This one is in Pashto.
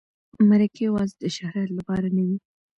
مرکه یوازې د شهرت لپاره نه وي.